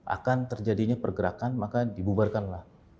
akan terjadinya pergerakan maka dibubarkan lah